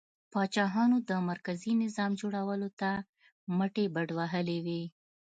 پاچاهانو د مرکزي نظام جوړولو ته مټې بډ وهلې وې.